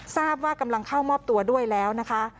ทราบว่ากำลังเข้ามอบตัวด้วยแล้วนะคะ